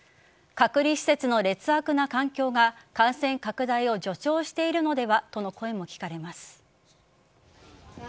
隔離施設の劣悪な環境が感染拡大を助長しているのではとの声も聞かれます。